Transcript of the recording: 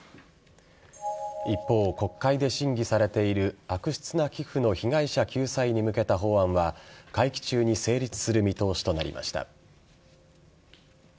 一方、国会で審議されている悪質な寄付の被害者救済に向けた法案は会期中に成立する見通しとなりました。